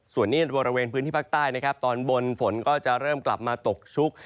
ส่วนนี้บริเวณพื้นที่ภาคใต้นะครับตอนบนฝนก็จะเริ่มกลับมาตกชุก